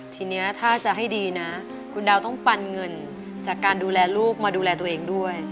ทีนี้ถ้าจะให้ดีนะคุณดาวต้องปันเงินจากการดูแลลูกมาดูแลตัวเองด้วย